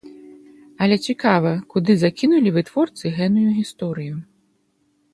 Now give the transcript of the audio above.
Але цікава, куды закінулі вытворцы гэную гісторыю.